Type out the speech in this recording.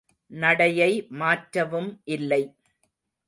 நடையை மாற்றவும் இல்லை.